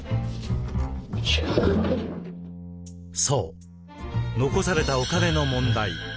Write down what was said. そう残されたお金の問題。